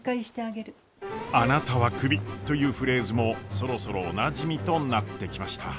「あなたはクビ」というフレーズもそろそろおなじみとなってきました。